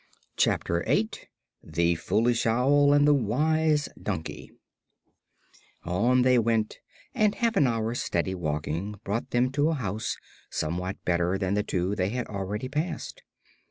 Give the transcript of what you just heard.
Chapter Eight The Foolish Owl and the Wise Donkey On they went, and half an hour's steady walking brought them to a house somewhat better than the two they had already passed.